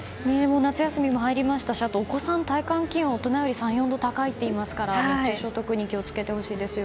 夏休みに入りましたしお子さんは体感気温が大人より３４度高いといいますから熱中症特に気を付けてほしいです。